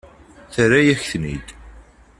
Terra-yak-ten-id.